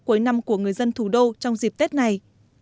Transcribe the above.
cuối năm của người dân thủ đô trong dịp tết này